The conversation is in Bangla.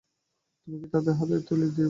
তুমি কি তাদের হাতেই দিতে বল?